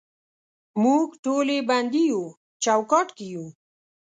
موږ ټولې بندې یو چوکاټ کې یو